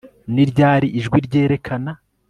Ni ryari ijwi ryerekana